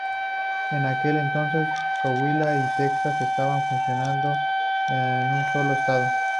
En aquel entonces Coahuila y Texas estaban fusionadas en un solo estado.